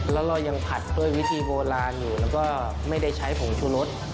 แล้วเรายังผัดด้วยวิธีโบราณอยู่แล้วก็ไม่ได้ใช้ผงชูรส